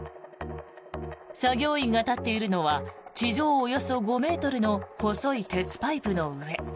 作業員が立っているのは地上およそ５ｍの細い鉄パイプの上。